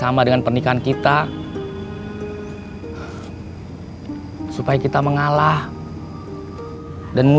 apapun yang terjadi kita akan tetap nikah tanggal dua puluh lima